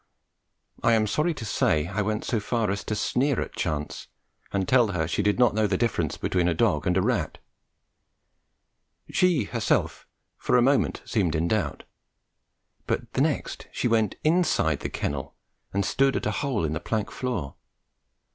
I am sorry to say I went so far as to sneer at Chance and tell her she did not know the difference between a dog and a rat. She herself for a moment seemed in doubt, but the next she went inside the kennel and stood at a hole in the plank floor.